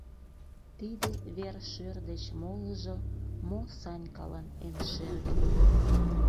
Тиде вер-шӧр деч молыжо мо Санькалан эн шерге!